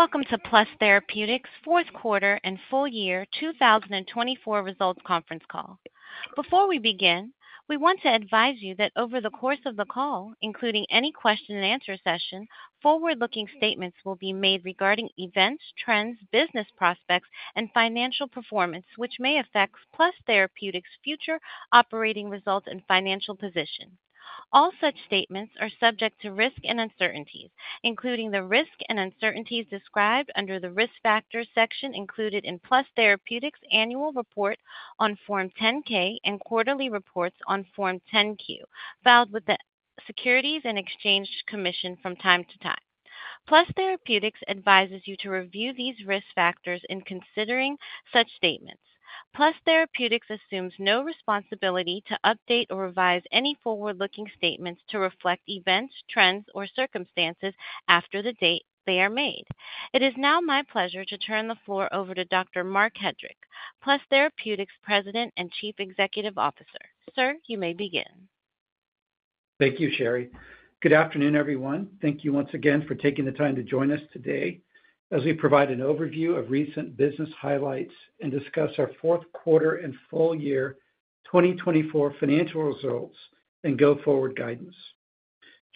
Welcome to Plus Therapeutics Fourth Quarter and Full Year 2024 Results Conference Call. Before we begin, we want to advise you that over the course of the call, including any question-and-answer session, forward-looking statements will be made regarding events, trends, business prospects, and financial performance, which may affect Plus Therapeutics' future operating results and financial position. All such statements are subject to risk and uncertainties, including the risk and uncertainties described under the risk factors section included in Plus Therapeutics' annual report on Form 10-K and quarterly reports on Form 10-Q, filed with the Securities and Exchange Commission from time to time. Plus Therapeutics advises you to review these risk factors in considering such statements. Plus Therapeutics assumes no responsibility to update or revise any forward-looking statements to reflect events, trends, or circumstances after the date they are made. It is now my pleasure to turn the floor over to Dr. Marc Hedrick, Plus Therapeutics' President and Chief Executive Officer. Sir, you may begin. Thank you, Sherry. Good afternoon, everyone. Thank you once again for taking the time to join us today as we provide an overview of recent business highlights and discuss our fourth quarter and full year 2024 financial results and go forward guidance.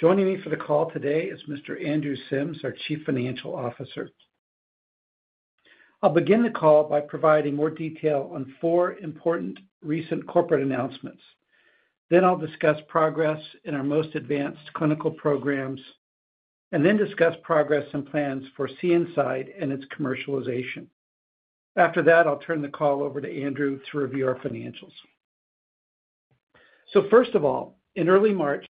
Joining me for the call today is Mr. Andrew Sims, our Chief Financial Officer. I'll begin the call by providing more detail on four important recent corporate announcements. Then I'll discuss progress in our most advanced clinical programs and then discuss progress and plans for CNSide and its commercialization. After that, I'll turn the call over to Andrew to review our financials. First of all, in early March,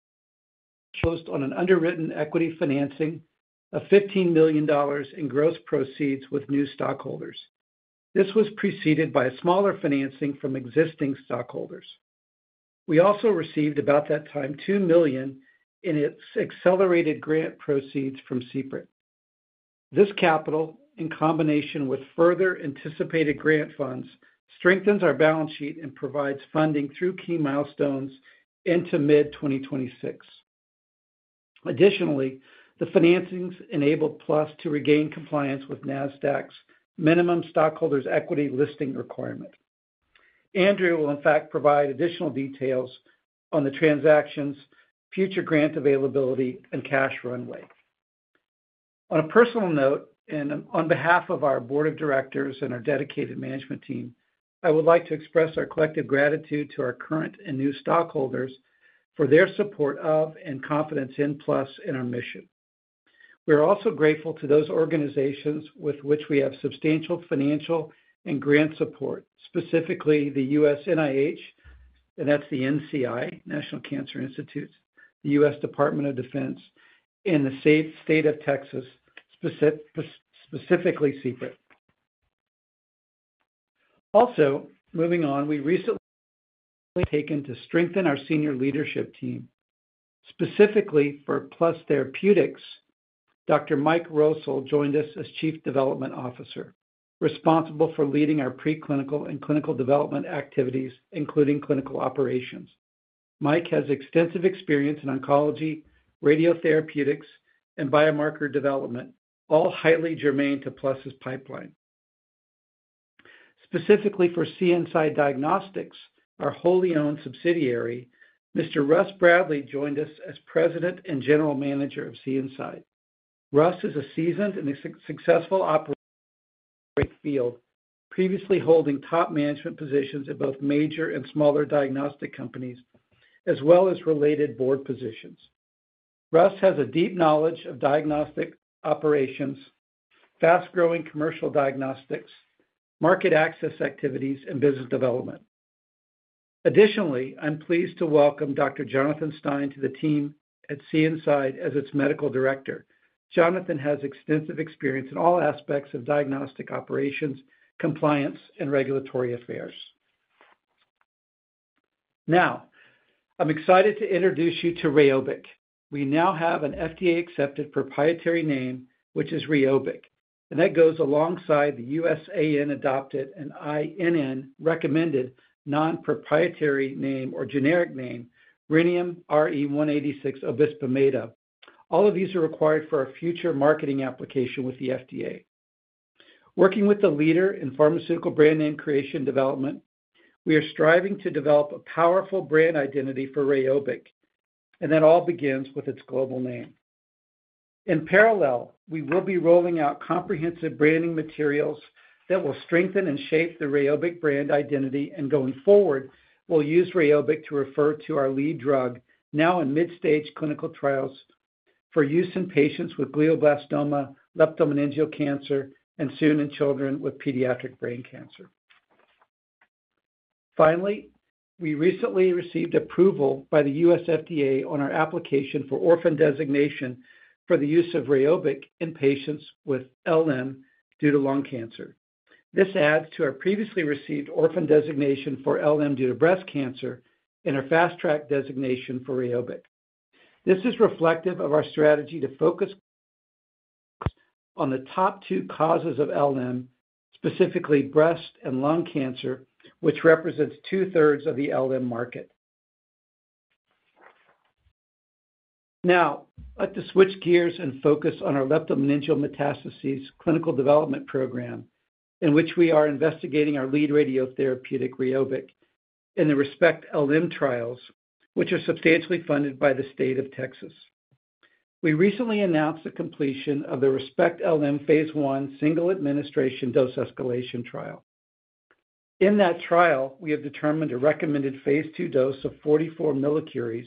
we closed on an underwritten equity financing of $15 million in gross proceeds with new stockholders. This was preceded by a smaller financing from existing stockholders. We also received about that time $2 million in its accelerated grant proceeds from CPRIT. This capital, in combination with further anticipated grant funds, strengthens our balance sheet and provides funding through key milestones into mid 2026. Additionally, the financings enabled Plus to regain compliance with Nasdaq's minimum stockholders' equity listing requirement. Andrew will, in fact, provide additional details on the transactions, future grant availability, and cash runway. On a personal note, and on behalf of our board of directors and our dedicated management team, I would like to express our collective gratitude to our current and new stockholders for their support of and confidence in Plus and our mission. We are also grateful to those organizations with which we have substantial financial and grant support, specifically the U.S. NIH, and that's the NCI, National Cancer Institute, the U.S. Department of Defense, and the state of Texas, specifically CPRIT. Also, moving on, we recently taken to strengthen our senior leadership team. Specifically for Plus Therapeutics, Dr. Mike Rosol joined us as Chief Development Officer, responsible for leading our preclinical and clinical development activities, including clinical operations. Mike has extensive experience in oncology, radiotherapeutics, and biomarker development, all highly germane to Plus's pipeline. Specifically for CNSide Diagnostics, our wholly owned subsidiary, Mr. Russ Bradley joined us as President and General Manager of CNSide. Russ is a seasoned and successful operator in the field, previously holding top management positions at both major and smaller diagnostic companies, as well as related board positions. Russ has a deep knowledge of diagnostic operations, fast-growing commercial diagnostics, market access activities, and business development. Additionally, I'm pleased to welcome Dr. Jonathan Stein to the team at CNSide as its Medical Director. Jonathan has extensive experience in all aspects of diagnostic operations, compliance, and regulatory affairs. Now, I'm excited to introduce you to Rheobic. We now have an FDA-accepted proprietary name, which is Rheobic, and that goes alongside the USAN-adopted and INN-recommended non-proprietary name or generic name, Rhenium (186Re) obisbemeda. All of these are required for our future marketing application with the FDA. Working with the leader in pharmaceutical brand name creation and development, we are striving to develop a powerful brand identity for Rheobic, and that all begins with its global name. In parallel, we will be rolling out comprehensive branding materials that will strengthen and shape the Rheobic brand identity, and going forward, we'll use Rheobic to refer to our lead drug, now in mid-stage clinical trials, for use in patients with glioblastoma, leptomeningeal cancer, and soon in children with pediatric brain cancer. Finally, we recently received approval by the U.S. FDA on our application for orphan designation for the use of Rheobic in patients with LM due to lung cancer. This adds to our previously received orphan designation for LM due to breast cancer and our fast-track designation for Rheobic. This is reflective of our strategy to focus on the top two causes of LM, specifically breast and lung cancer, which represents two-thirds of the LM market. Now, I'd like to switch gears and focus on our leptomeningeal metastases clinical development program, in which we are investigating our lead radiotherapeutic Rheobic and the ReSPECT-LM trials, which are substantially funded by the state of Texas. We recently announced the completion of the ReSPECT-LM phase I single administration dose escalation trial. In that trial, we have determined a recommended phase II dose of 44 mCi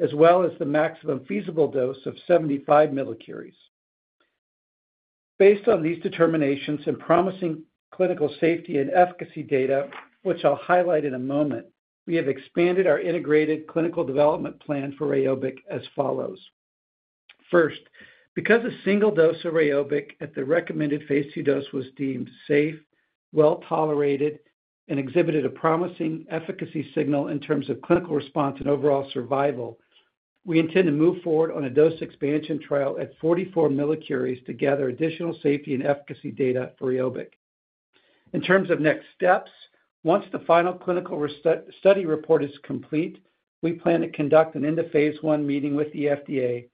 as well as the maximum feasible dose of 75 mCi. Based on these determinations and promising clinical safety and efficacy data, which I'll highlight in a moment, we have expanded our integrated clinical development plan for Rheobic as follows. First, because a single dose of Rheobic at the recommended phase II dose was deemed safe, well-tolerated, and exhibited a promising efficacy signal in terms of clinical response and overall survival, we intend to move forward on a dose expansion trial at 44 mCi to gather additional safety and efficacy data for Rheobic. In terms of next steps, once the final clinical study report is complete, we plan to conduct an end-of-phase I meeting with the FDA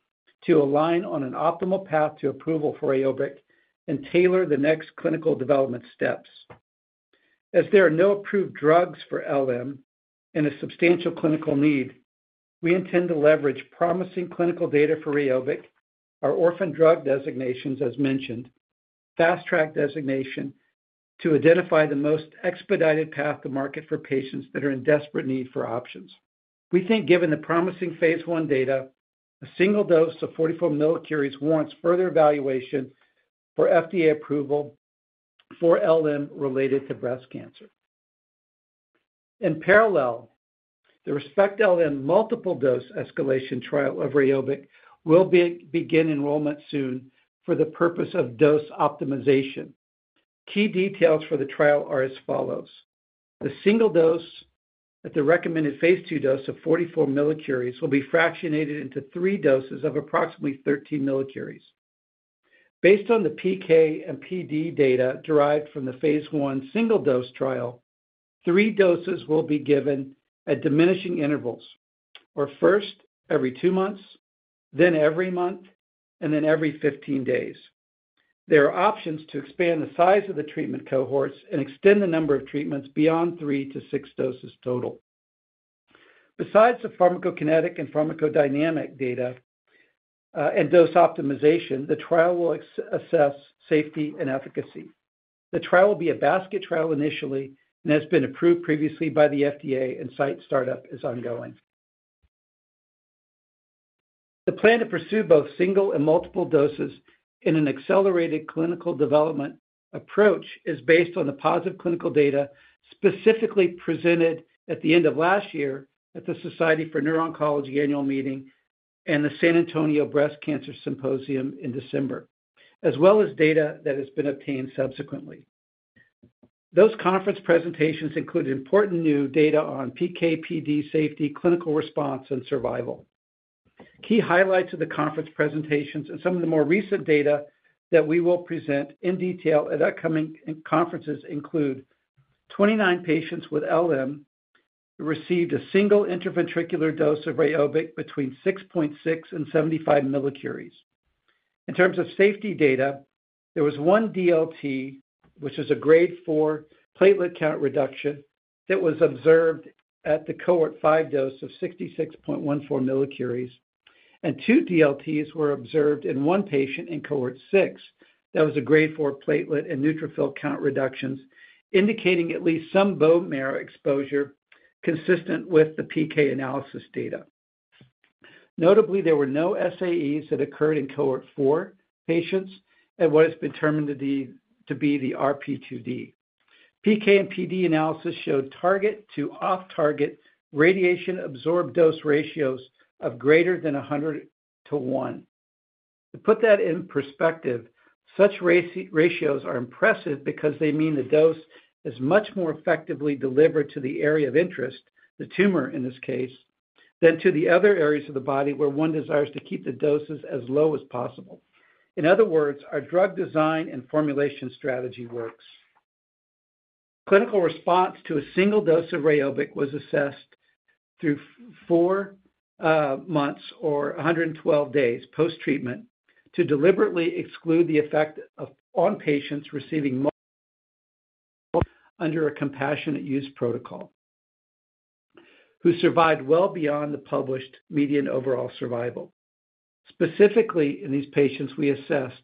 to align on an optimal path to approval for Rheobic and tailor the next clinical development steps. As there are no approved drugs for LM and a substantial clinical need, we intend to leverage promising clinical data for Rheobic, our orphan drug designations as mentioned, fast-track designation to identify the most expedited path to market for patients that are in desperate need for options. We think given the promising phase I data, a single dose of 44 mCi warrants further evaluation for FDA approval for LM related to breast cancer. In parallel, the ReSPECT-LM multiple dose escalation trial of Rheobic will begin enrollment soon for the purpose of dose optimization. Key details for the trial are as follows. The single dose at the recommended phase II dose of 44 mCi will be fractionated into three doses of approximately 13 mCi. Based on the PK and PD data derived from the phase I single dose trial, three doses will be given at diminishing intervals, or first every two months, then every month, and then every 15 days. There are options to expand the size of the treatment cohorts and extend the number of treatments beyond three to six doses total. Besides the pharmacokinetic and pharmacodynamic data and dose optimization, the trial will assess safety and efficacy. The trial will be a basket trial initially and has been approved previously by the FDA, and site startup is ongoing. The plan to pursue both single and multiple doses in an accelerated clinical development approach is based on the positive clinical data specifically presented at the end of last year at the Society for Neuro-Oncology annual meeting and the San Antonio Breast Cancer Symposium in December, as well as data that has been obtained subsequently. Those conference presentations included important new data on PK/PD safety, clinical response, and survival. Key highlights of the conference presentations and some of the more recent data that we will present in detail at upcoming conferences include 29 patients with LM who received a single intraventricular dose of Rheobic between 6.6-75 mCi. In terms of safety data, there was one DLT, which is a grade 4 platelet count reduction that was observed at the cohort 5 dose of 66.14 mCi. Two DLTs were observed in one patient in cohort 6 that was a grade 4 platelet and neutrophil count reductions, indicating at least some bone marrow exposure consistent with the PK analysis data. Notably, there were no SAEs that occurred in cohort 4 patients at what has been determined to be the RP2D. PK and PD analysis showed target to off-target radiation-absorbed dose ratios of greater than 100:1. To put that in perspective, such ratios are impressive because they mean the dose is much more effectively delivered to the area of interest, the tumor in this case, than to the other areas of the body where one desires to keep the doses as low as possible. In other words, our drug design and formulation strategy works. Clinical response to a single dose of Rheobic was assessed through four months or 112 days post-treatment to deliberately exclude the effect on patients receiving under a compassionate use protocol who survived well beyond the published median overall survival. Specifically, in these patients, we assessed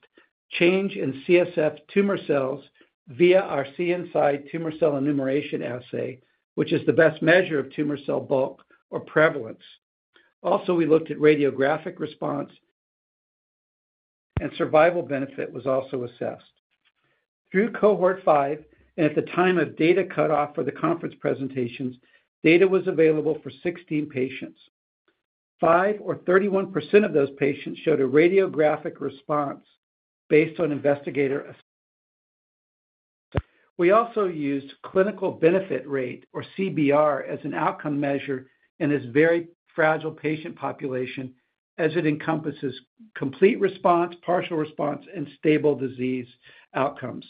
change in CSF tumor cells via our CNSide tumor cell enumeration assay, which is the best measure of tumor cell bulk or prevalence. Also, we looked at radiographic response, and survival benefit was also assessed. Through cohort 5 and at the time of data cutoff for the conference presentations, data was available for 16 patients. Five or 31% of those patients showed a radiographic response based on investigator assessment. We also used clinical benefit rate or CBR as an outcome measure in this very fragile patient population as it encompasses complete response, partial response, and stable disease outcomes.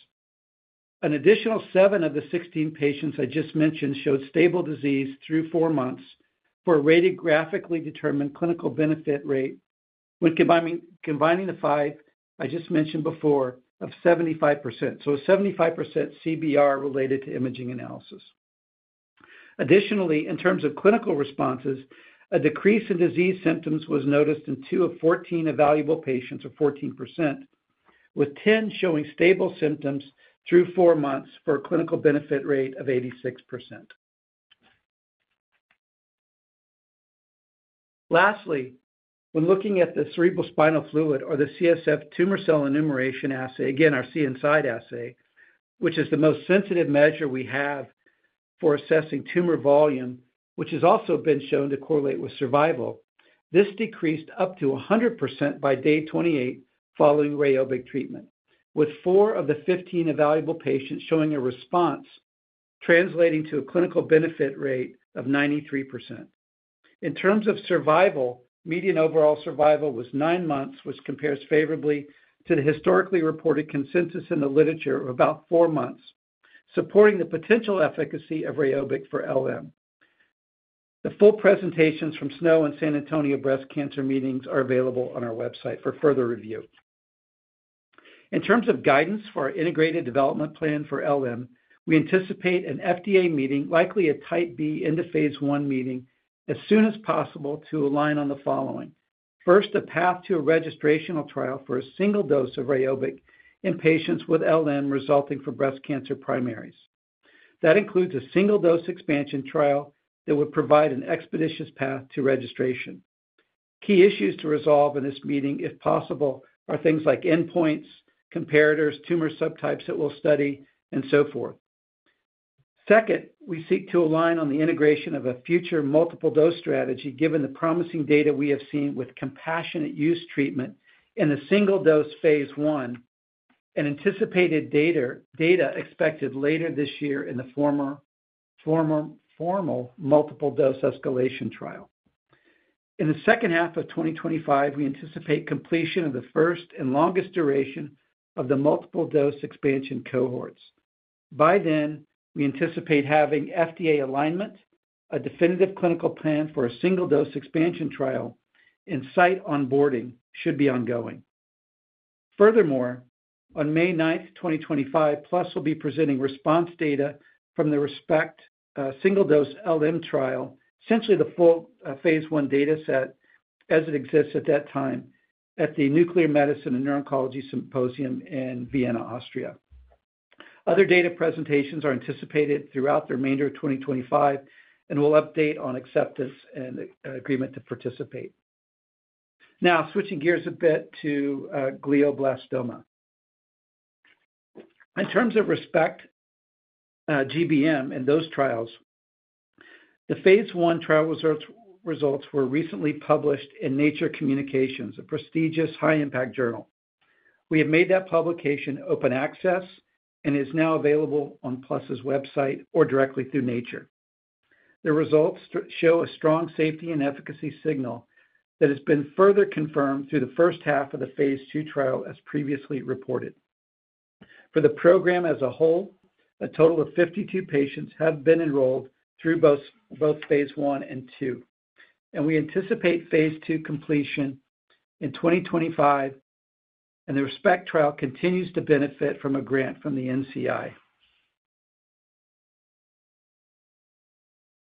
An additional seven of the sixteen patients I just mentioned showed stable disease through four months for a radiographically determined clinical benefit rate when combining the five I just mentioned before of 75%. A 75% CBR related to imaging analysis. Additionally, in terms of clinical responses, a decrease in disease symptoms was noticed in two of fourteen evaluable patients or 14%, with ten showing stable symptoms through four months for a clinical benefit rate of 86%. Lastly, when looking at the cerebrospinal fluid or the CSF tumor cell enumeration assay, again, our CNSide assay, which is the most sensitive measure we have for assessing tumor volume, which has also been shown to correlate with survival, this decreased up to 100% by day 28 following Rheobic treatment, with four of the fifteen evaluable patients showing a response translating to a clinical benefit rate of 93%. In terms of survival, median overall survival was 9 months, which compares favorably to the historically reported consensus in the literature of about 4 months, supporting the potential efficacy of Rheobic for LM. The full presentations from SNO and San Antonio Breast Cancer meetings are available on our website for further review. In terms of guidance for our integrated development plan for LM, we anticipate an FDA meeting, likely a type B end-of-phase I meeting, as soon as possible to align on the following. First, a path to a registrational trial for a single dose of Rheobic in patients with LM resulting from breast cancer primaries. That includes a single dose expansion trial that would provide an expeditious path to registration. Key issues to resolve in this meeting, if possible, are things like endpoints, comparators, tumor subtypes that we'll study, and so forth. Second, we seek to align on the integration of a future multiple dose strategy given the promising data we have seen with compassionate use treatment in a single dose phase I and anticipated data expected later this year in the formal multiple dose escalation trial. In the second half of 2025, we anticipate completion of the first and longest duration of the multiple dose expansion cohorts. By then, we anticipate having FDA alignment, a definitive clinical plan for a single dose expansion trial, and site onboarding should be ongoing. Furthermore, on May 9, 2025, Plus Therapeutics will be presenting response data from the RESPECT single dose LM trial, essentially the full phase I data set as it exists at that time at the Nuclear Medicine and Neuro-Oncology Symposium in Vienna, Austria. Other data presentations are anticipated throughout the remainder of 2025, and we'll update on acceptance and agreement to participate. Now, switching gears a bit to glioblastoma. In terms of ReSPECT-GBM and those trials, the phase I trial results were recently published in Nature Communications, a prestigious high-impact journal. We have made that publication open access and it is now available on Plus Therapeutics' website or directly through Nature. The results show a strong safety and efficacy signal that has been further confirmed through the first half of the phase II trial, as previously reported. For the program as a whole, a total of 52 patients have been enrolled through both phase I and II, and we anticipate phase II completion in 2025, and the RESPECT trial continues to benefit from a grant from the NCI.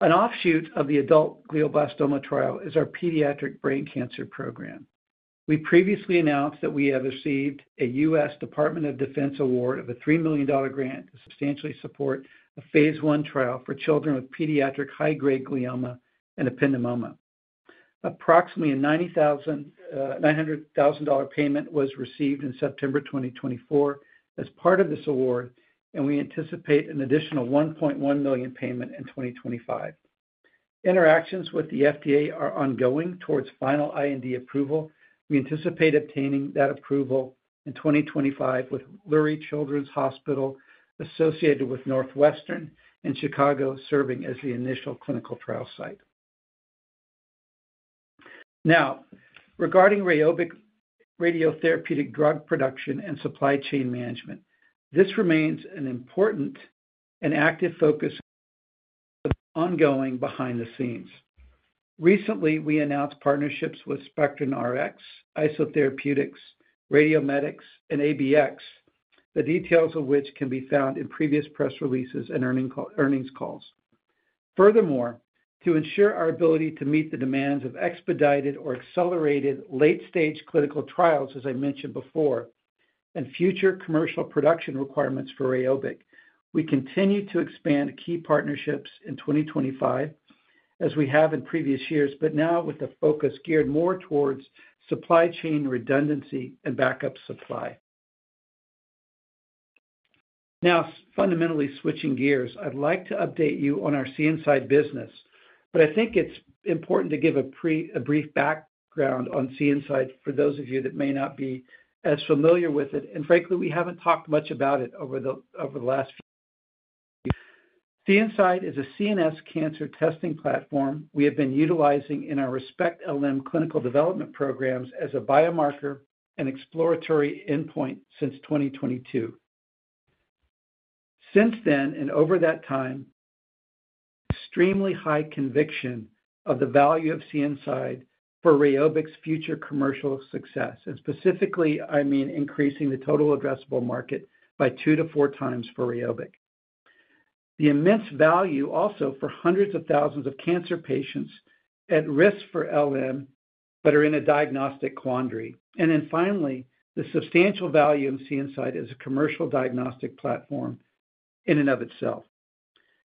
An offshoot of the adult glioblastoma trial is our pediatric brain cancer program. We previously announced that we have received a U.S. Department of Defense award of a $3 million grant to substantially support a phase I trial for children with pediatric high-grade glioma and ependymoma. Approximately a $900,000 payment was received in September 2024 as part of this award, and we anticipate an additional $1.1 million payment in 2025. Interactions with the FDA are ongoing towards final IND approval. We anticipate obtaining that approval in 2025 with Lurie Children's Hospital associated with Northwestern and Chicago serving as the initial clinical trial site. Now, regarding Rheobic radiotherapeutic drug production and supply chain management, this remains an important and active focus ongoing behind the scenes. Recently, we announced partnerships with SpectronRx, IsoTherapeutics, RadioMedix, and ABX, the details of which can be found in previous press releases and earnings calls. Furthermore, to ensure our ability to meet the demands of expedited or accelerated late-stage clinical trials, as I mentioned before, and future commercial production requirements for Rheobic, we continue to expand key partnerships in 2025 as we have in previous years, but now with the focus geared more towards supply chain redundancy and backup supply. Now, fundamentally switching gears, I'd like to update you on our CNSide business, but I think it's important to give a brief background on CNSide for those of you that may not be as familiar with it, and frankly, we haven't talked much about it over the last few years. CNSide is a CNS cancer testing platform we have been utilizing in our ReSPECT-LM clinical development programs as a biomarker and exploratory endpoint since 2022. Since then, and over that time, extremely high conviction of the value of CNSide for Rheobic's future commercial success, and specifically, I mean increasing the total addressable market by two to four times for Rheobic. The immense value also for hundreds of thousands of cancer patients at risk for LM but are in a diagnostic quandary. Finally, the substantial value in CNSide as a commercial diagnostic platform in and of itself.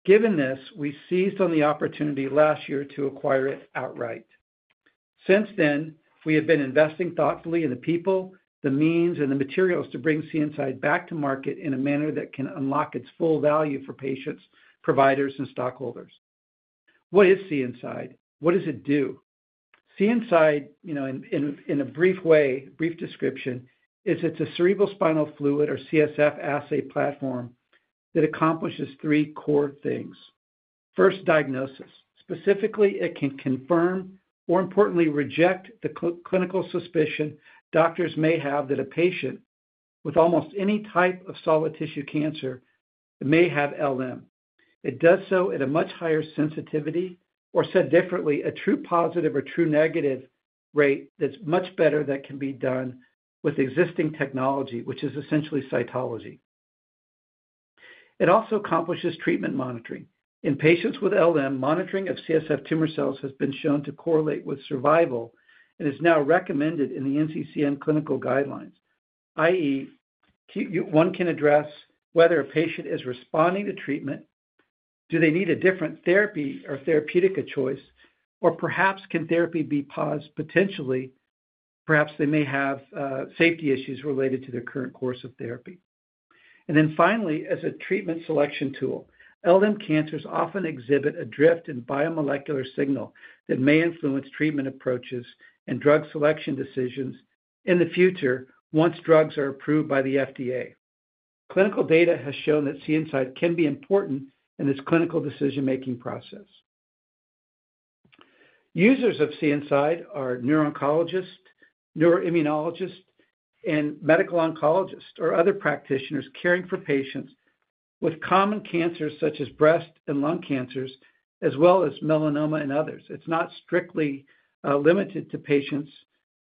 Given this, we seized on the opportunity last year to acquire it outright. Since then, we have been investing thoughtfully in the people, the means, and the materials to bring CNSide back to market in a manner that can unlock its full value for patients, providers, and stockholders. What is CNSide? What does it do? CNSide, you know, in a brief way, brief description, is it's a cerebrospinal fluid or CSF assay platform that accomplishes three core things. First, diagnosis. Specifically, it can confirm or, importantly, reject the clinical suspicion doctors may have that a patient with almost any type of solid tissue cancer may have LM. It does so at a much higher sensitivity, or said differently, a true positive or true negative rate that's much better than can be done with existing technology, which is essentially cytology. It also accomplishes treatment monitoring. In patients with LM, monitoring of CSF tumor cells has been shown to correlate with survival and is now recommended in the NCCN clinical guidelines, i.e., one can address whether a patient is responding to treatment, do they need a different therapy or therapeutic choice, or perhaps can therapy be paused potentially, perhaps they may have safety issues related to their current course of therapy. Finally, as a treatment selection tool, LM cancers often exhibit a drift in biomolecular signal that may influence treatment approaches and drug selection decisions in the future once drugs are approved by the FDA. Clinical data has shown that CNSide can be important in this clinical decision-making process. Users of CNSide are neuro-oncologists, neuroimmunologists, and medical oncologists or other practitioners caring for patients with common cancers such as breast and lung cancers, as well as melanoma and others. It's not strictly limited to patients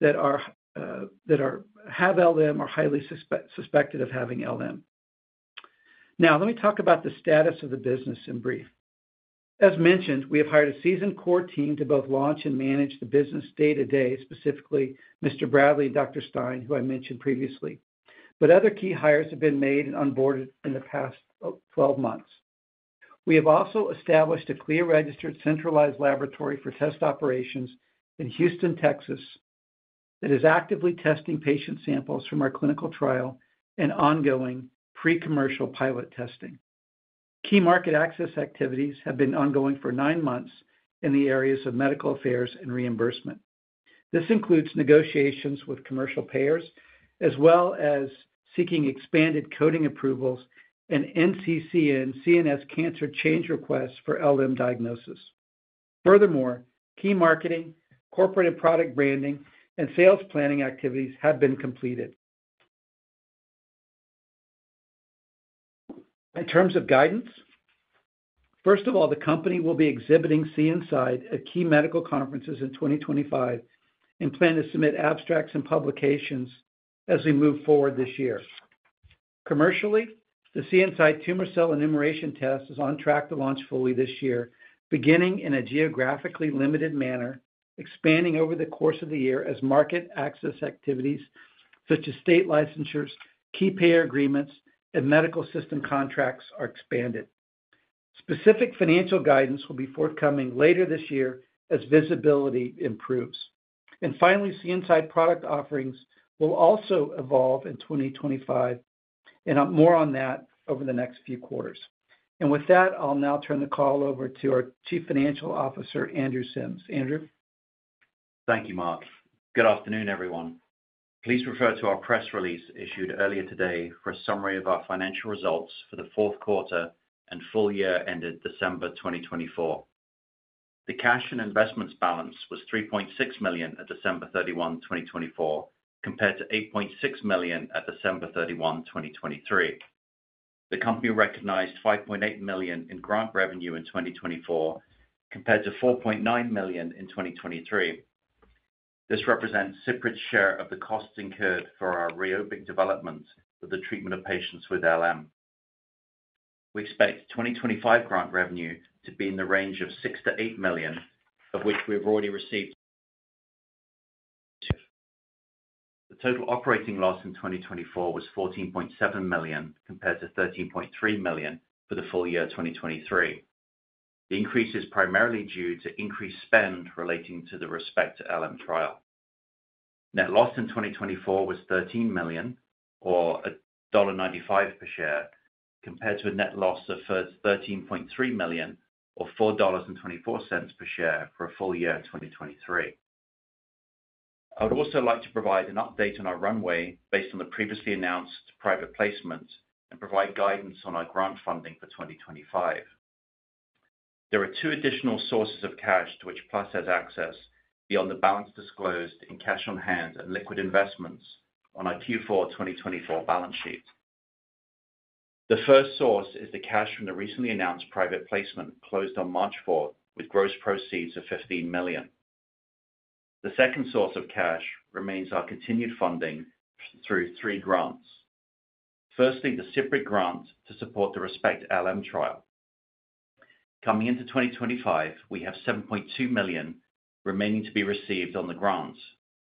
that have LM or highly suspected of having LM. Now, let me talk about the status of the business in brief. As mentioned, we have hired a seasoned core team to both launch and manage the business day-to-day, specifically Mr. Bradley and Dr. Stein, who I mentioned previously. Other key hires have been made and onboarded in the past 12 months. We have also established a CLIA-registered centralized laboratory for test operations in Houston, Texas, that is actively testing patient samples from our clinical trial and ongoing pre-commercial pilot testing. Key market access activities have been ongoing for nine months in the areas of medical affairs and reimbursement. This includes negotiations with commercial payers as well as seeking expanded coding approvals and NCCN CNS cancer change requests for LM diagnosis. Furthermore, key marketing, corporate and product branding, and sales planning activities have been completed. In terms of guidance, first of all, the company will be exhibiting CNSide at key medical conferences in 2025 and plan to submit abstracts and publications as we move forward this year. Commercially, the CNSide tumor cell enumeration test is on track to launch fully this year, beginning in a geographically limited manner, expanding over the course of the year as market access activities such as state licensures, key payer agreements, and medical system contracts are expanded. Specific financial guidance will be forthcoming later this year as visibility improves. CNSide product offerings will also evolve in 2025, and more on that over the next few quarters. With that, I'll now turn the call over to our Chief Financial Officer, Andrew Sims. Andrew. Thank you, Marc. Good afternoon, everyone. Please refer to our press release issued earlier today for a summary of our financial results for the fourth quarter and full year ended December 2024. The cash and investments balance was $3.6 million at December 31, 2024, compared to $8.6 million at December 31, 2023. The company recognized $5.8 million in grant revenue in 2024, compared to $4.9 million in 2023. This represents CPRIT's share of the costs incurred for our Rheobic development for the treatment of patients with LM. We expect 2025 grant revenue to be in the range of $6-$8 million, of which we have already received $2 million. The total operating loss in 2024 was $14.7 million compared to $13.3 million for the full year 2023. The increase is primarily due to increased spend relating to the RESPECT-LM trial. Net loss in 2024 was $13 million, or $1.95 per share, compared to a net loss of $13.3 million, or $4.24 per share for a full year in 2023. I would also like to provide an update on our runway based on the previously announced private placement and provide guidance on our grant funding for 2025. There are two additional sources of cash to which Plus Therapeutics has access beyond the balance disclosed in cash on hand and liquid investments on our Q4 2024 balance sheet. The first source is the cash from the recently announced private placement closed on March 4 with gross proceeds of $15 million. The second source of cash remains our continued funding through three grants. Firstly, the CPRIT grant to support the ReSPECT-LM trial. Coming into 2025, we have $7.2 million remaining to be received on the grants,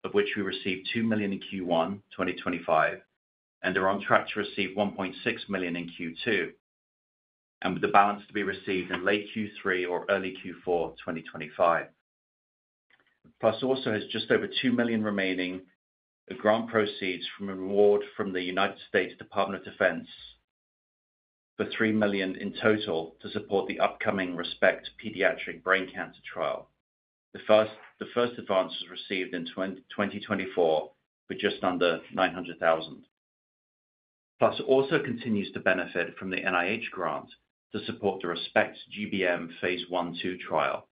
of which we received $2 million in Q1 2025 and are on track to receive $1.6 million in Q2, with the balance to be received in late Q3 or early Q4 2025. Plus also has just over $2 million remaining of grant proceeds from an award from the United States Department of Defense for $3 million in total to support the upcoming RESPECT pediatric brain cancer trial. The first advance was received in 2024 for just under $900,000. Plus also continues to benefit from the NIH grant to support the ReSPECT-GBM phase I-II trial.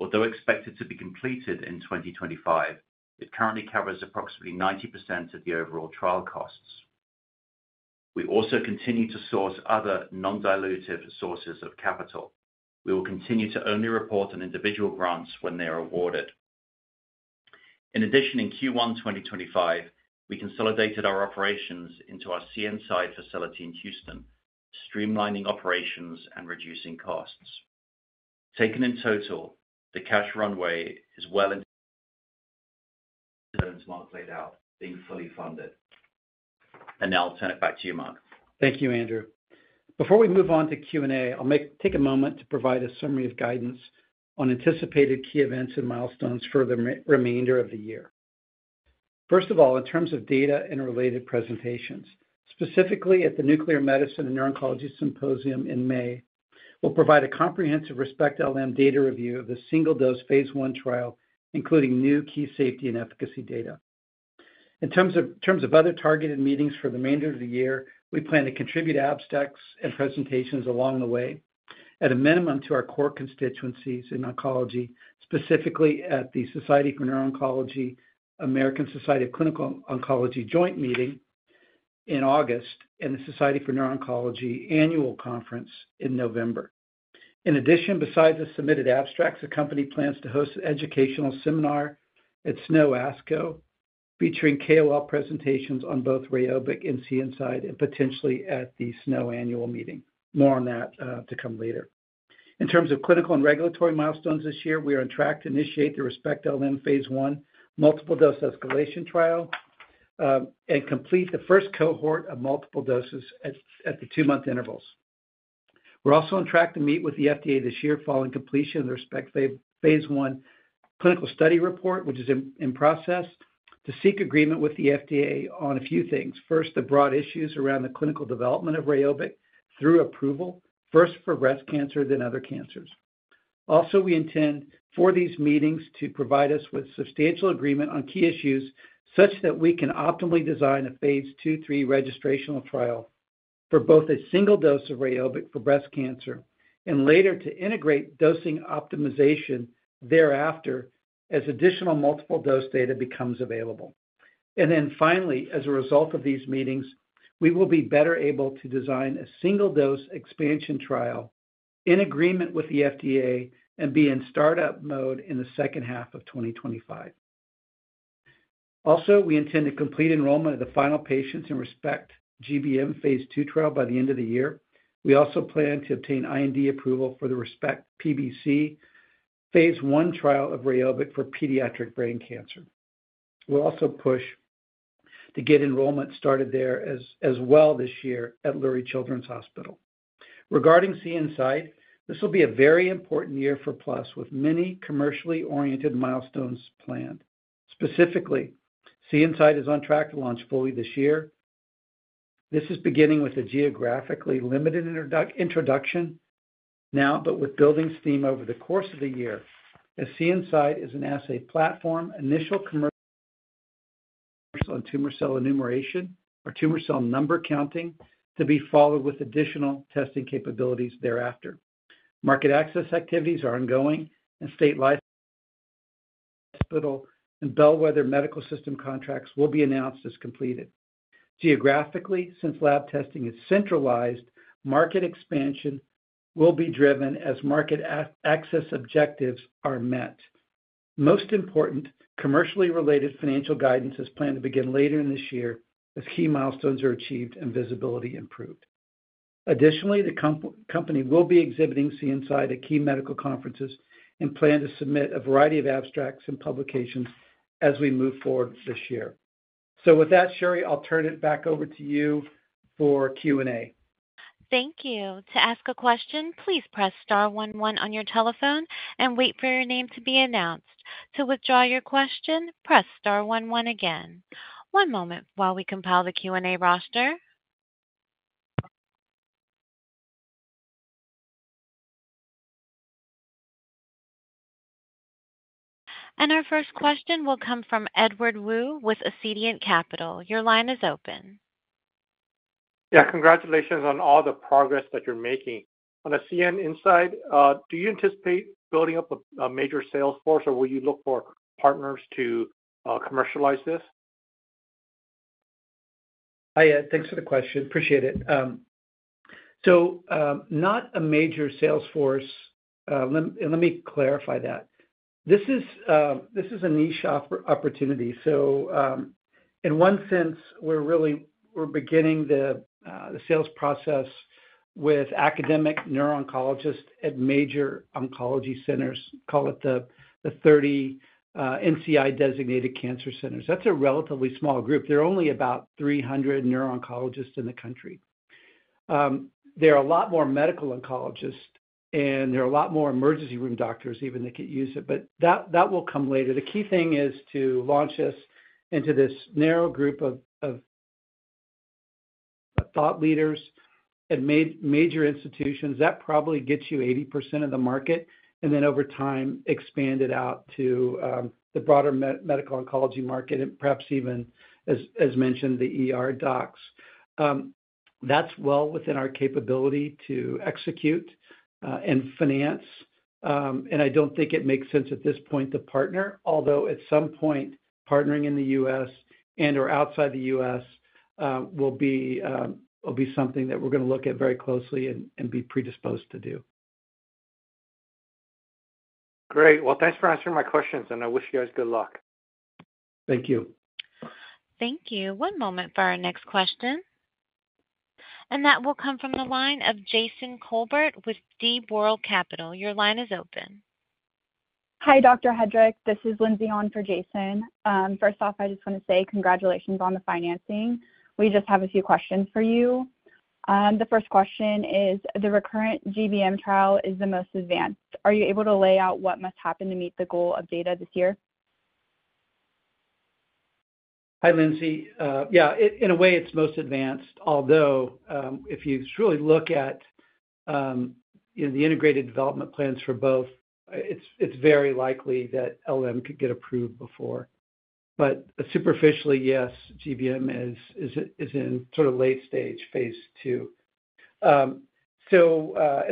Although expected to be completed in 2025, it currently covers approximately 90% of the overall trial costs. We also continue to source other non-dilutive sources of capital. We will continue to only report on individual grants when they are awarded. In addition, in Q1 2025, we consolidated our operations into our CNSide facility in Houston, streamlining operations and reducing costs. Taken in total, the cash runway is well in terms of Marc's laid out being fully funded. Now I'll turn it back to you, Marc. Thank you, Andrew. Before we move on to Q&A, I'll take a moment to provide a summary of guidance on anticipated key events and milestones for the remainder of the year. First of all, in terms of data and related presentations, specifically at the Nuclear Medicine and Neuro-Oncology Symposium in May, we'll provide a comprehensive RESPECT-LM data review of the single-dose phase I trial, including new key safety and efficacy data. In terms of other targeted meetings for the remainder of the year, we plan to contribute abstracts and presentations along the way at a minimum to our core constituencies in oncology, specifically at the Society for Neuro-Oncology, American Society of Clinical Oncology joint meeting in August, and the Society for Neuro-Oncology annual conference in November. In addition, besides the submitted abstracts, the company plans to host an educational seminar at SNO-ASCO featuring KOL presentations on both Rheobic and CNSide, and potentially at the SNO annual meeting. More on that to come later. In terms of clinical and regulatory milestones this year, we are on track to initiate the ReSPECT-LM phase I multiple-dose escalation trial and complete the first cohort of multiple doses at the two-month intervals. We're also on track to meet with the FDA this year following completion of the RESPECT phase I clinical study report, which is in process, to seek agreement with the FDA on a few things. First, the broad issues around the clinical development of Rheobic through approval, first for breast cancer, then other cancers. Also, we intend for these meetings to provide us with substantial agreement on key issues such that we can optimally design a phase II-III registrational trial for both a single dose of Rheobic for breast cancer and later to integrate dosing optimization thereafter as additional multiple dose data becomes available. Finally, as a result of these meetings, we will be better able to design a single-dose expansion trial in agreement with the FDA and be in startup mode in the second half of 2025. Also, we intend to complete enrollment of the final patients in ReSPECT-GBM phase II trial by the end of the year. We also plan to obtain IND approval for the RESPECT-PBC phase I trial of Rheobic for pediatric brain cancer. We'll also push to get enrollment started there as well this year at Lurie Children's Hospital. Regarding CNSide, this will be a very important year for Plus with many commercially oriented milestones planned. Specifically, CNSide is on track to launch fully this year. This is beginning with a geographically limited introduction now, but with building steam over the course of the year as CNSide is an assay platform, initial commercial on tumor cell enumeration or tumor cell number counting to be followed with additional testing capabilities thereafter. Market access activities are ongoing, and state licensed hospital and Bellwether medical system contracts will be announced as completed. Geographically, since lab testing is centralized, market expansion will be driven as market access objectives are met. Most important commercially related financial guidance is planned to begin later in this year as key milestones are achieved and visibility improved. Additionally, the company will be exhibiting CNSide at key medical conferences and plan to submit a variety of abstracts and publications as we move forward this year. Sherry, I'll turn it back over to you for Q&A. Thank you. To ask a question, please press star one one on your telephone and wait for your name to be announced. To withdraw your question, press star one one again. One moment while we compile the Q&A roster. Our first question will come from Edward Woo with Ascendiant Capital. Your line is open. Yeah, congratulations on all the progress that you're making. On the CNSide, do you anticipate building up a major sales force, or will you look for partners to commercialize this? Hi, thanks for the question. Appreciate it. Not a major sales force. Let me clarify that. This is a niche opportunity. In one sense, we're beginning the sales process with academic neuro-oncologists at major oncology centers, call it the 30 NCI-designated cancer centers. That's a relatively small group. There are only about 300 neuro-oncologists in the country. There are a lot more medical oncologists, and there are a lot more emergency room doctors even that could use it, but that will come later. The key thing is to launch us into this narrow group of thought leaders at major institutions that probably gets you 80% of the market, and then over time expand it out to the broader medical oncology market, and perhaps even, as mentioned, the docs. That's well within our capability to execute and finance, and I don't think it makes sense at this point to partner, although at some point partnering in the U.S. and/or outside the U.S. will be something that we're going to look at very closely and be predisposed to do. Great. Thanks for answering my questions, and I wish you guys good luck. Thank you. Thank you. One moment for our next question. That will come from the line of Jason Kolbert with D. Boral Capital. Your line is open. Hi, Dr. Hedrick. This is Lindsey Edh for Jason. First off, I just want to say congratulations on the financing. We just have a few questions for you. The first question is, the recurrent GBM trial is the most advanced. Are you able to lay out what must happen to meet the goal of data this year? Hi, Lindsey. Yeah, in a way, it's most advanced, although if you truly look at the integrated development plans for both, it's very likely that LM could get approved before. Superficially, yes, GBM is in sort of late stage phase II. As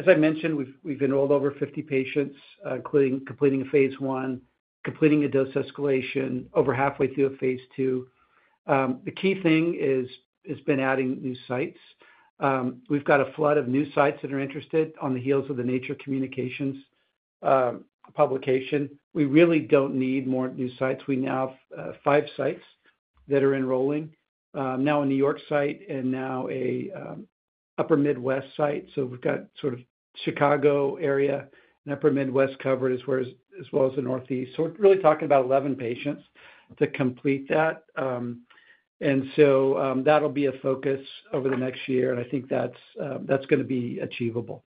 I mentioned, we've enrolled over 50 patients, including completing a phase I, completing a dose escalation, over halfway through a phase II. The key thing has been adding new sites. We've got a flood of new sites that are interested on the heels of the Nature Communications publication. We really don't need more new sites. We now have five sites that are enrolling, now a New York site and now an Upper Midwest site. We have sort of Chicago area and Upper Midwest covered as well as the Northeast. We are really talking about 11 patients to complete that. That will be a focus over the next year, and I think that is going to be achievable.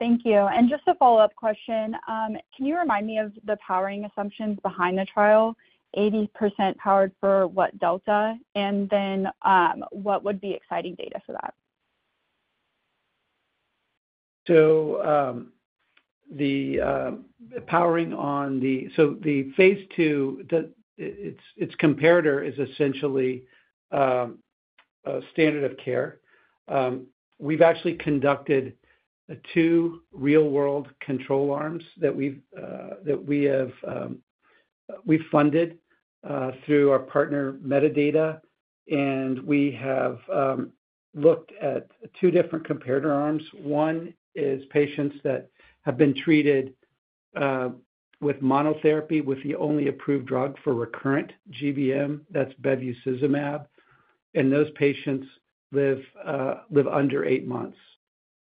Thank you. Just a follow-up question. Can you remind me of the powering assumptions behind the trial? 80% powered for what delta? What would be exciting data for that? The powering on the phase II, its comparator is essentially a standard of care. We have actually conducted two real-world control arms that we have funded through our partner Medidata, and we have looked at two different comparator arms. One is patients that have been treated with monotherapy with the only approved drug for recurrent GBM. That's Bevacizumab. And those patients live under eight months.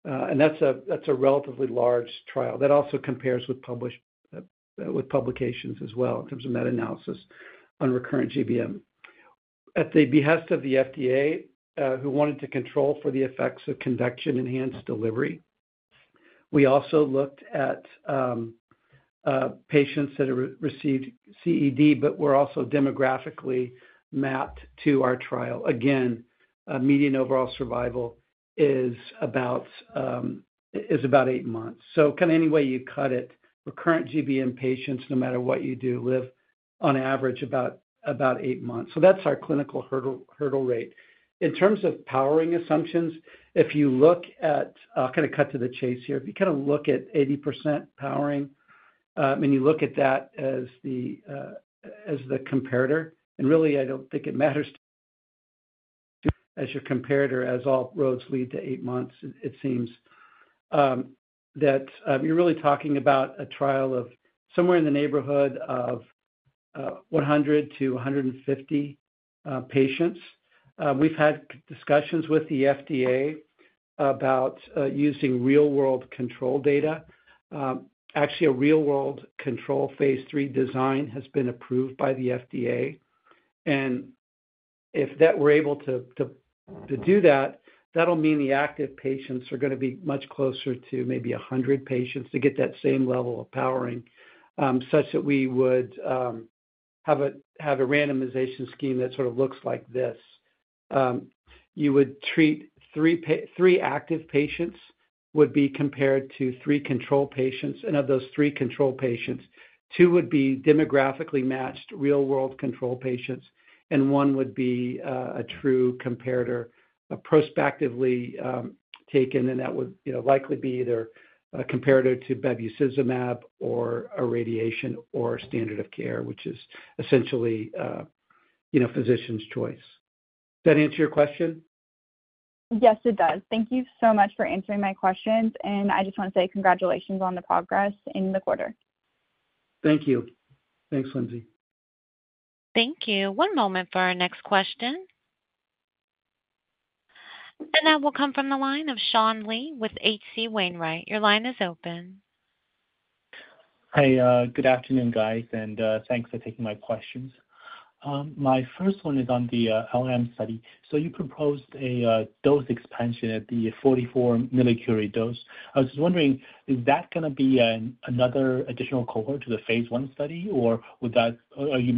And that's a relatively large trial. That also compares with publications as well in terms of meta-analysis on recurrent GBM. At the behest of the FDA, who wanted to control for the effects of convection-enhanced delivery. We also looked at patients that have received CED, but were also demographically mapped to our trial. Again, median overall survival is about eight months. So kind of any way you cut it, recurrent GBM patients, no matter what you do, live on average about eight months. So that's our clinical hurdle rate. In terms of powering assumptions, if you look at I'll kind of cut to the chase here. If you kind of look at 80% powering, and you look at that as the comparator, and really, I don't think it matters as your comparator, as all roads lead to eight months, it seems, that you're really talking about a trial of somewhere in the neighborhood of 100-150 patients. We've had discussions with the FDA about using real-world control data. Actually, a real-world control phase III design has been approved by the FDA. If we're able to do that, that'll mean the active patients are going to be much closer to maybe 100 patients to get that same level of powering, such that we would have a randomization scheme that sort of looks like this. You would treat three active patients would be compared to three control patients. Of those three control patients, two would be demographically matched real-world control patients, and one would be a true comparator prospectively taken, and that would likely be either a comparator to Bevacizumab or a radiation or standard of care, which is essentially physician's choice. Does that answer your question? Yes, it does. Thank you so much for answering my questions. I just want to say congratulations on the progress in the quarter. Thank you. Thanks, Lindsey. Thank you. One moment for our next question. That will come from the line of Sean Lee with HC Wainwright. Your line is open. Hi, good afternoon, guys, and thanks for taking my questions. My first one is on the LM study. You proposed a dose expansion at the 44 millicurie dose. I was just wondering, is that going to be another additional cohort to the phase I study, or are you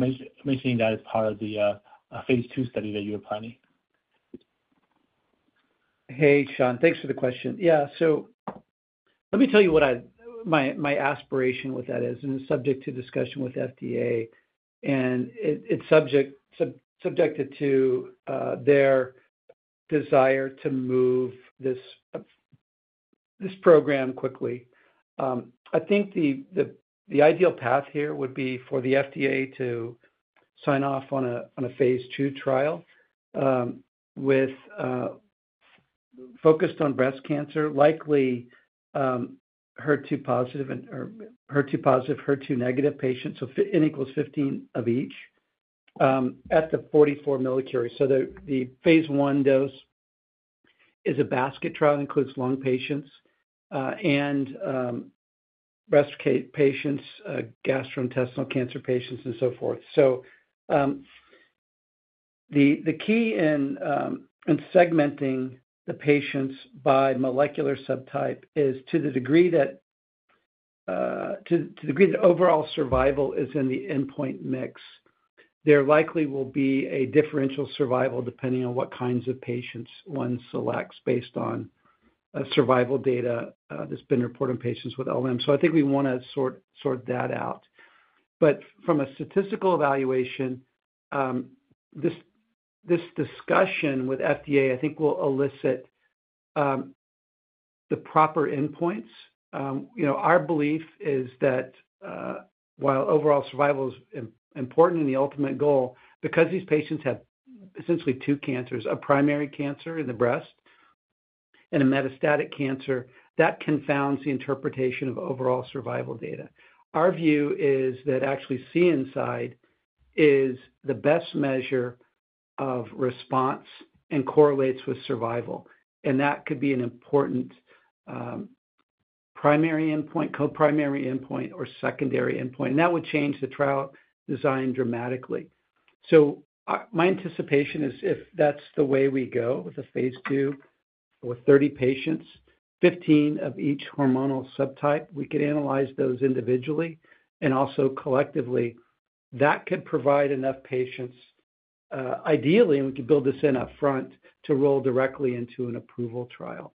mentioning that as part of the phase II study that you were planning? Hey, Sean, thanks for the question. Yeah, let me tell you what my aspiration with that is, and it's subject to discussion with FDA, and it's subjected to their desire to move this program quickly. I think the ideal path here would be for the FDA to sign off on a phase II trial focused on breast cancer, likely HER2 positive or HER2 negative patients, so n equals 15 of each, at the 44 millicurie. The phase I dose is a basket trial that includes lung patients and breast patients, gastrointestinal cancer patients, and so forth. The key in segmenting the patients by molecular subtype is to the degree that overall survival is in the endpoint mix. There likely will be a differential survival depending on what kinds of patients one selects based on survival data that's been reported in patients with LM. I think we want to sort that out. From a statistical evaluation, this discussion with FDA, I think, will elicit the proper endpoints. Our belief is that while overall survival is important and the ultimate goal, because these patients have essentially two cancers, a primary cancer in the breast and a metastatic cancer, that confounds the interpretation of overall survival data. Our view is that actually CNSide is the best measure of response and correlates with survival. That could be an important primary endpoint, co-primary endpoint, or secondary endpoint. That would change the trial design dramatically. My anticipation is if that's the way we go with a phase II with 30 patients, 15 of each hormonal subtype, we could analyze those individually and also collectively. That could provide enough patients, ideally, and we could build this in upfront to roll directly into an approval trial.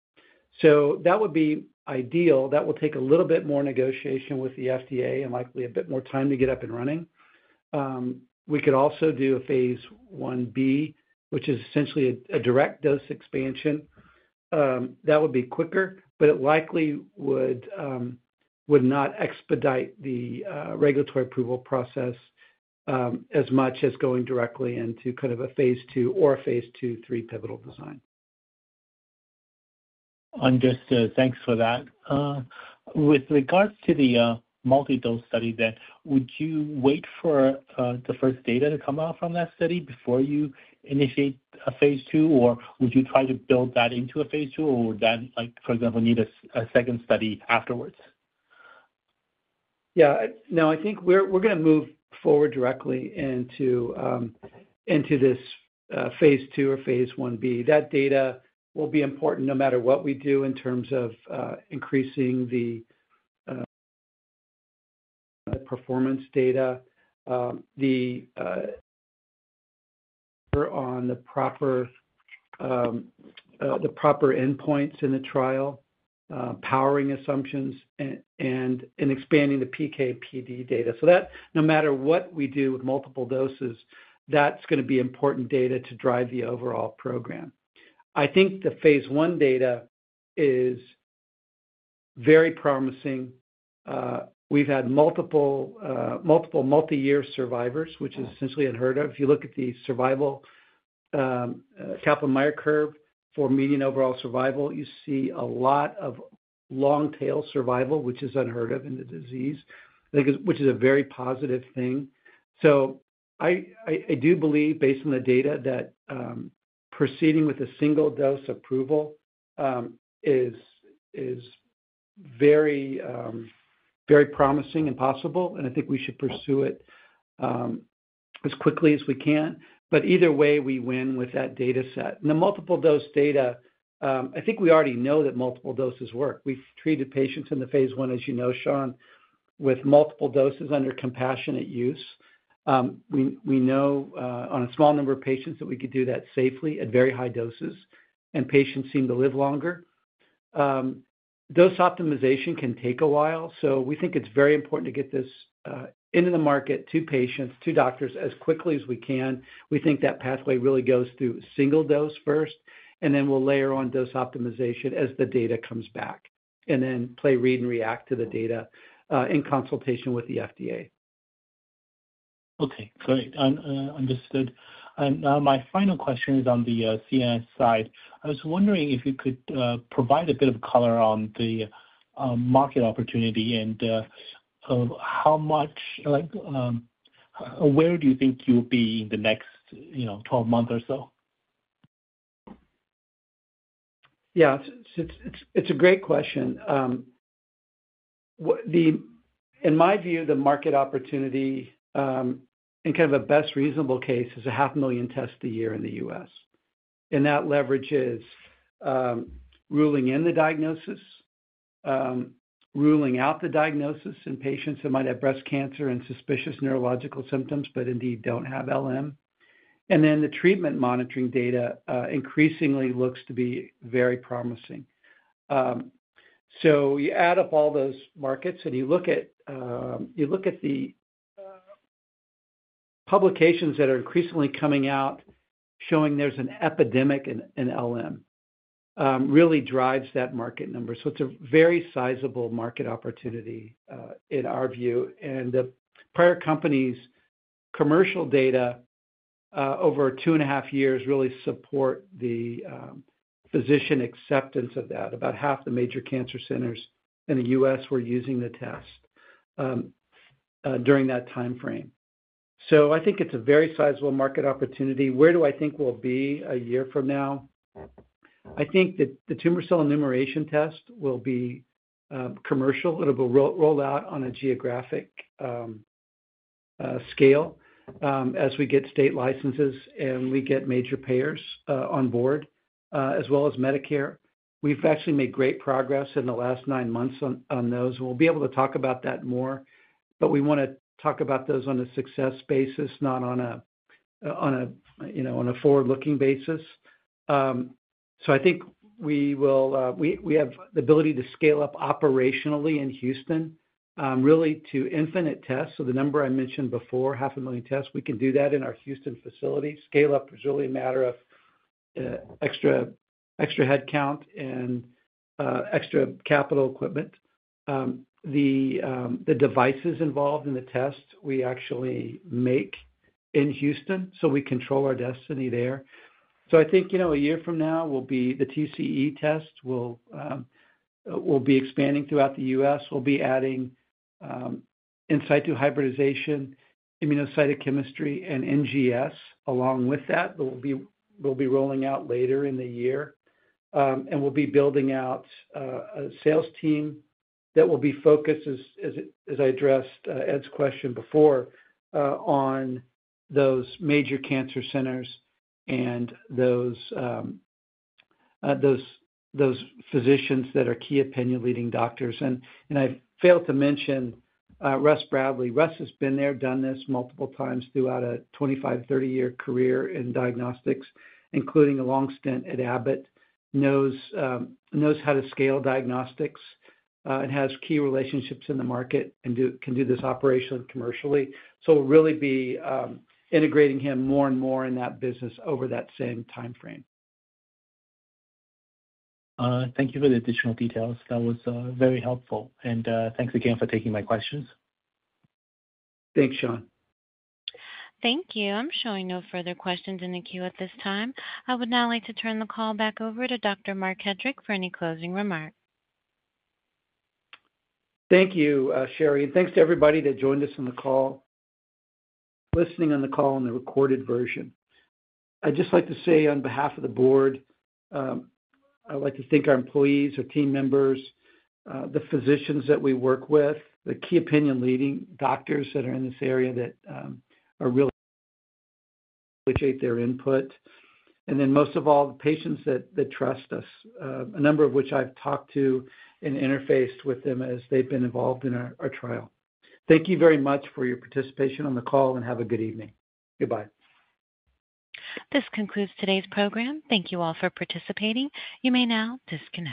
That would be ideal. That will take a little bit more negotiation with the FDA and likely a bit more time to get up and running. We could also do a phase I-B, which is essentially a direct dose expansion. That would be quicker, but it likely would not expedite the regulatory approval process as much as going directly into kind of a phase II or a phase II/III pivotal design. Just thanks for that. With regards to the multi-dose study then, would you wait for the first data to come out from that study before you initiate a phase II, or would you try to build that into a phase II, or would that, for example, need a second study afterwards? Yeah. No, I think we're going to move forward directly into this phase II or phase I-B. That data will be important no matter what we do in terms of increasing the performance data, the proper endpoints in the trial, powering assumptions, and expanding the PK/PD data. No matter what we do with multiple doses, that's going to be important data to drive the overall program. I think the phase I data is very promising. We've had multiple multi-year survivors, which is essentially unheard of. If you look at the survival Kaplan-Meier curve for median overall survival, you see a lot of long-tail survival, which is unheard of in the disease, which is a very positive thing. I do believe, based on the data, that proceeding with a single dose approval is very promising and possible, and I think we should pursue it as quickly as we can. Either way, we win with that data set. The multiple dose data, I think we already know that multiple doses work. We've treated patients in the phase I, as you know, Sean, with multiple doses under compassionate use. We know on a small number of patients that we could do that safely at very high doses, and patients seem to live longer. Dose optimization can take a while, so we think it's very important to get this into the market to patients, to doctors, as quickly as we can. We think that pathway really goes through a single dose first, and then we'll layer on dose optimization as the data comes back, and then play, read, and react to the data in consultation with the FDA. Okay. Great. Understood. Now my final question is on the CNSide. I was wondering if you could provide a bit of color on the market opportunity and how much, where do you think you'll be in the next 12 months or so? Yeah. It's a great question. In my view, the market opportunity in kind of a best reasonable case is 500,000 tests a year in the US. That leverages ruling in the diagnosis, ruling out the diagnosis in patients who might have breast cancer and suspicious neurological symptoms but indeed do not have LM. The treatment monitoring data increasingly looks to be very promising. You add up all those markets, and you look at the publications that are increasingly coming out showing there is an epidemic in LM that really drives that market number. It is a very sizable market opportunity in our view. The prior company's commercial data over two and a half years really support the physician acceptance of that. About half the major cancer centers in the U.S. were using the test during that time frame. I think it is a very sizable market opportunity. Where do I think we will be a year from now? I think that the tumor cell enumeration test will be commercial. It'll be rolled out on a geographic scale as we get state licenses and we get major payers on board, as well as Medicare. We've actually made great progress in the last nine months on those. We'll be able to talk about that more, but we want to talk about those on a success basis, not on a forward-looking basis. I think we will have the ability to scale up operationally in Houston, really to infinite tests. The number I mentioned before, 500,000 tests, we can do that in our Houston facility. Scale up is really a matter of extra headcount and extra capital equipment. The devices involved in the test we actually make in Houston, so we control our destiny there. I think a year from now, the TCE test will be expanding throughout the U.S. We'll be adding in situ hybridization, immunocytochemistry, and NGS along with that. We'll be rolling out later in the year. We'll be building out a sales team that will be focused, as I addressed Ed's question before, on those major cancer centers and those physicians that are key opinion leading doctors. I failed to mention Russ Bradley. Russ has been there, done this multiple times throughout a 25, 30-year career in diagnostics, including a long stint at Abbott. Knows how to scale diagnostics and has key relationships in the market and can do this operationally and commercially. We'll really be integrating him more and more in that business over that same time frame. Thank you for the additional details. That was very helpful. Thanks again for taking my questions. Thanks, Sean. Thank you. I'm showing no further questions in the queue at this time. I would now like to turn the call back over to Dr. Marc Hedrick for any closing remarks. Thank you, Sherry. Thank you to everybody that joined us on the call, listening on the call in the recorded version. I would just like to say on behalf of the board, I would like to thank our employees, our team members, the physicians that we work with, the key opinion leading doctors that are in this area. I really appreciate their input. Most of all, the patients that trust us, a number of which I've talked to and interfaced with as they've been involved in our trial. Thank you very much for your participation on the call, and have a good evening. Goodbye. This concludes today's program. Thank you all for participating. You may now disconnect.